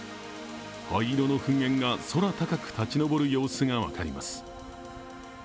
灰色の噴煙が空高く立ち上る様子が分かります。